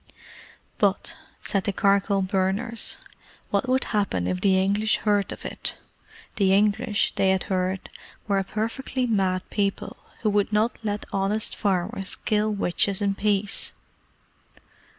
But, said the charcoal burners, what would happen if the English heard of it? The English, they had heard, were a perfectly mad people, who would not let honest farmers kill witches in peace.